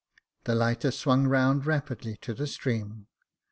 The lighter swung round rapidly to the stream.